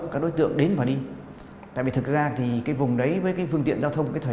các đối tượng đến và đi tại vì thực ra thì cái vùng đấy với cái phương tiện giao thông cái thời